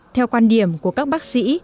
theo quan điểm của các bác sĩ